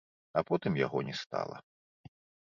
А потым яго не стала.